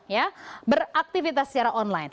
ya beraktivitas secara online